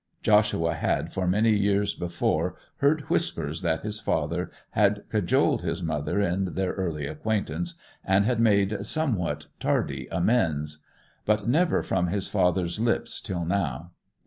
Joshua had for many years before heard whispers that his father had cajoled his mother in their early acquaintance, and had made somewhat tardy amends; but never from his father's lips till now.